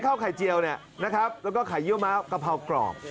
ข้าวไข่เจียวนะครับแล้วก็ขายเยอะมากกะเพรากรอบ